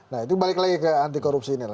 nah itu balik lagi ke anti korupsi ini